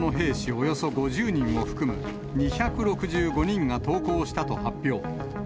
およそ５０人を含む２６５人が投降したと発表。